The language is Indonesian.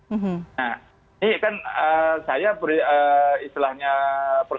nah ini kan saya istilahnya persepsi titip saya namanya politisi pasti memperjuangkan darah pemilihannya untuk mendapatkan anggaran